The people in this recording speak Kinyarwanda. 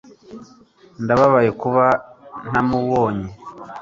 ndababaye kuba ntamubonye